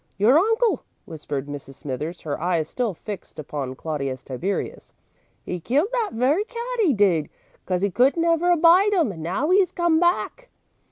"Your uncle," whispered Mrs. Smithers, her eyes still fixed upon Claudius Tiberius. "'E killed that very cat, 'e did, 'cause 'e couldn't never abide 'im, and now 'e's come back!"